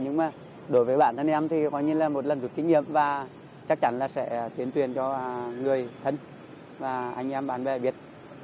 nhưng mà đối với bản thân em thì có như là một lần được kinh nghiệm và chắc chắn là sẽ tuyến tuyến cho người thân và anh em bạn bè biết